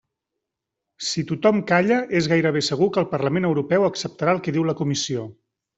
Si tothom calla, és gairebé segur que el Parlament Europeu acceptarà el que diu la Comissió.